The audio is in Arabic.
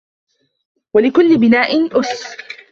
وَلِكُلِّ بِنَاءٍ أُسٌّ